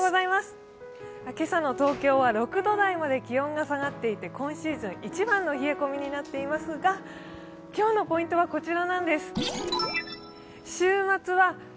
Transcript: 今朝の東京は６度台まで気温が下がっていて今シーズン一番の冷え込みになっていますが今日のポイントはこちらなんです。